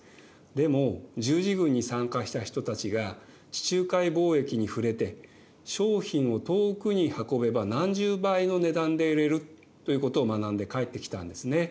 でも十字軍に参加した人たちが地中海貿易に触れて「商品を遠くに運べば何十倍の値段で売れる」ということを学んで帰ってきたんですね。